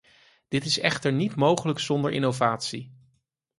Dit is echter niet mogelijk zonder innovatie.